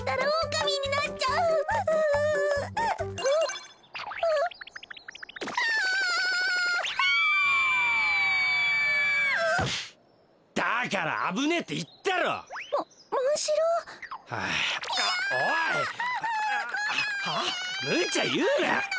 むちゃいうな！